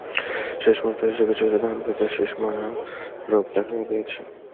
শেষ মুহূর্তে এসে কিছু কিছু ধানখেতে শিষ মরা রোগ দেখা দিয়েছে।